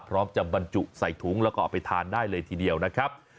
พร้อมจะบรรจุใส่ถุงแล้วก็เอาไปทานได้เลยทีเดียวนะครับ